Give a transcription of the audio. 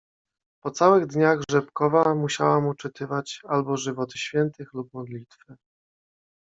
"Po całych dniach Rzepkowa musiała mu czytywać albo żywoty Świętych lub modlitwy."